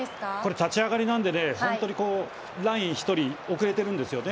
立ち上がりなのでラインが１人、遅れているんです。